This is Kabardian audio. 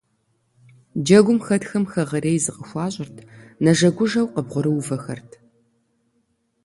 Джэгум хэтхэм хэгъэрей зыкъыхуащӀырт, нэжэгужэу къыбгъурыувэхэрт.